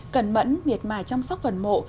cần mẫn miệt mài chăm sóc vận mộ